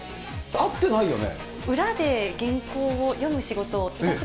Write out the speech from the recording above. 会ってないよね？